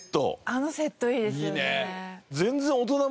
あのセットいいですよね。